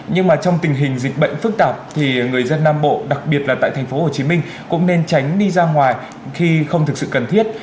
nhưng mà trong tình hình dịch bệnh phức tạp thì người dân nam bộ đặc biệt là tại tp hcm cũng nên tránh đi ra ngoài khi không thực sự cần thiết